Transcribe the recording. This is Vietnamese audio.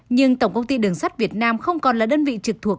nhưng tổng công ty đường sắt việt nam không còn là đơn vị trực thuộc